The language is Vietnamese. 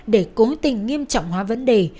để cố tình nghiêm trọng hóa vấn đề